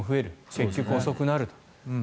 結局遅くなると。